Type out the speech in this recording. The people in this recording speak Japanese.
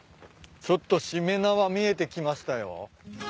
ちょっとしめ縄見えてきましたよ。